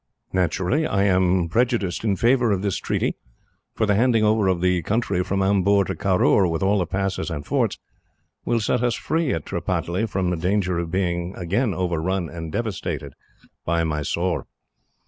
"Naturally, I am prejudiced in favour of this treaty, for the handing over of the country from Amboor to Caroor, with all the passes and forts, will set us free at Tripataly from the danger of being again overrun and devastated by Mysore.